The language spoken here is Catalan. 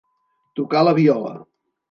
Tocar la viola.